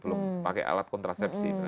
belum pakai alat kontrasepsi